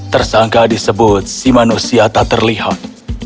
tersangka disebut si manusia tak terlihat